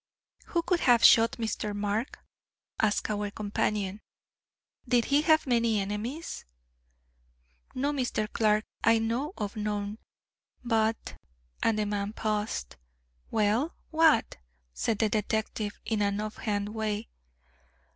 "Who could have shot Mr. Mark?" asked our companion, "did he have many enemies?" "No, Mr. Clark. I know of none. But " and the man paused. "Well, what?" said the detective in an off hand way.